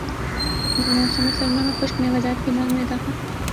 موسم سرما میں خشک میوہ جات کی مانگ میں اضافہ